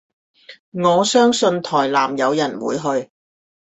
我相信台南有人會去